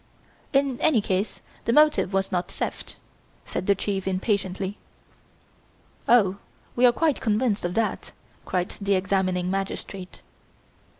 "In any case, the motive was not theft!" said the Chief impatiently. "Oh! we are quite convinced of that!" cried the examining magistrate.